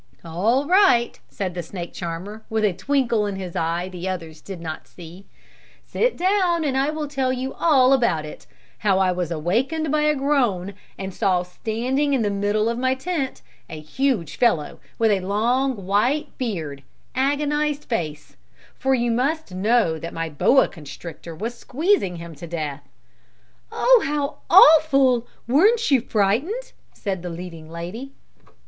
"All right," said the snake charmer, with a twinkle in his eye the others did not see, "sit down and I will tell you all about it, how I was awakened by a groan, and saw standing in the middle of my tent, a huge fellow, with a long, white beard and white, agonized face; for you must know that my boa constrictor was squeezing him to death." "Oh, how awful! Weren't you frightened?" said the leading lady.